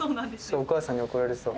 お母さんに怒られそう。